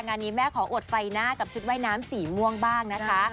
งานนี้แม่ขออวดไฟหน้ากับชุดว่ายน้ำสีม่วงบ้างนะคะ